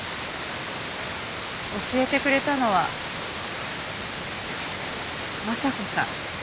教えてくれたのは昌子さん。